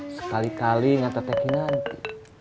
sekali kali ngantar teki nanti